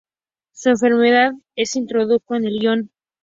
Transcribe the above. Su enfermedad se introdujo en el guion.